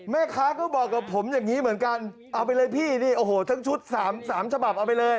แม่ค้าก็บอกกับผมอย่างนี้เหมือนกันเอาไปเลยพี่นี่โอ้โหทั้งชุด๓ฉบับเอาไปเลย